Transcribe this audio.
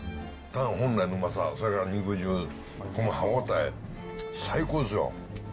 タン本来のうまさ、それから肉汁、この歯応え、最高ですよ。